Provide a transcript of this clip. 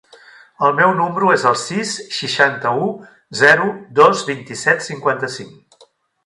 El meu número es el sis, seixanta-u, zero, dos, vint-i-set, cinquanta-cinc.